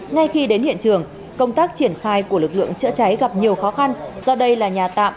ngay khi đến hiện trường công tác triển khai của lực lượng chữa cháy gặp nhiều khó khăn do đây là nhà tạm